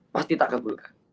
pasti tak kabulkan